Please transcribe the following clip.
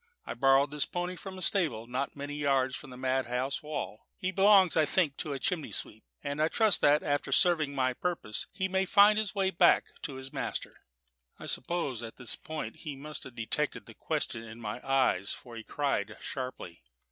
I borrowed this pony from a stable not many yards from the madhouse wall; he belongs, I think, to a chimney sweep, and I trust that, after serving my purpose, he may find a way back to his master." I suppose at this point he must have detected the question in my eyes, for he cried sharply.